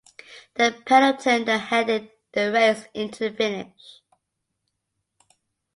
The peloton then headed the race into the finish.